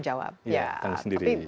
ya tidak dianggung jawab